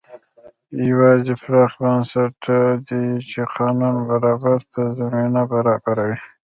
یوازې پراخ بنسټه دي چې قانون برابرۍ ته زمینه برابروي.